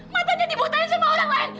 matanya dibutain sama orang lain